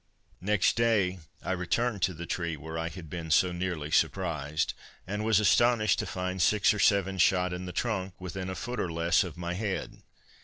Next day I returned to the tree, where I had been so nearly surprised, and was astonished to find six or seven shot in the trunk, within a foot or less of my head.